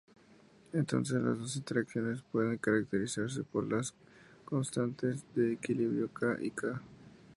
Entonces, las dos interacciones pueden caracterizarse por las constantes de equilibrio "K" y "K".